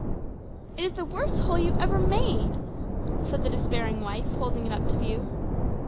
"It is the worst hole you ever made," said the despairing wife, holding it up to view.